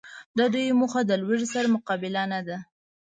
د دوی موخه د لوږي سره مقابله نده